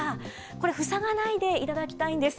これ、塞がないでいただきたいんです。